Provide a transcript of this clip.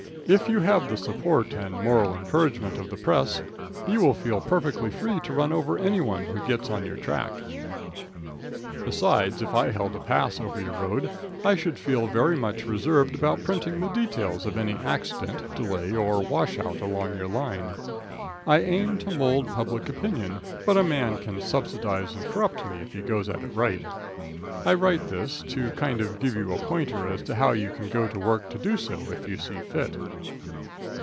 If you have the support and moral encouragement of the press you will feel perfectly free to run over any one who gets on your track. Besides, if I held a pass over your road I should feel very much reserved about printing the details of any accident, delay or washout along your line. I aim to mould public opinion, but a man can subsidize and corrupt me if he goes at it right. I write this to kind of give you a pointer as to how you can go to work to do so if you see fit.